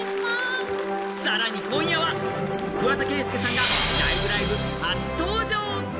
更に今夜は桑田佳祐さんが「ライブ！ライブ！」初登場！